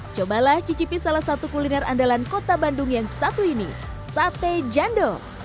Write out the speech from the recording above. cobalah cicipi salah satu kuliner andalan kota bandung yang satu ini sate jando